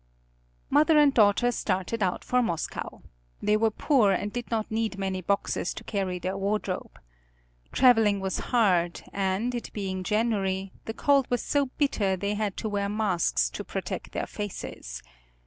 Mother and daughter started out for Moscow. They were poor and did not need many boxes to carry their wardrobe. Traveling was hard, and, it being January, the cold was so bitter they had to wear masks to protect their faces.